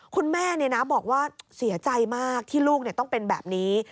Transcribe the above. คุณแม่บอกว่าเสียใจมากที่ลูกต้องเป็นแบบนี้